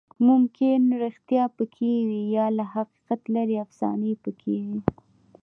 ممکن ریښتیا پکې وي، یا له حقیقت لرې افسانې پکې وي.